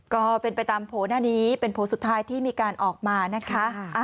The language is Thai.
ก็เป็นไปตามโผล่หน้านี้เป็นโผล่สุดท้ายที่มีการออกมานะคะ